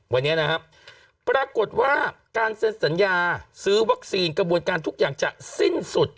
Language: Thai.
วันนี้นะครับปรากฏว่าการเซ็นสัญญาซื้อวัคซีนกระบวนการทุกอย่างจะสิ้นสุด